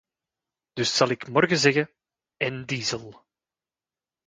Dus zal ik morgen zeggen: en diesel.